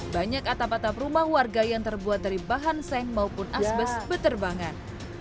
banyak atap atap rumah warga yang terbuat dari bahan seng maupun asbes beterbangan